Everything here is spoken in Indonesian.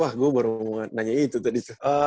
wah gue baru nanya itu tadi